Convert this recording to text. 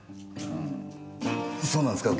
んそうなんですか？